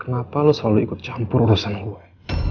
kenapa lo selalu ikut campur urusan gue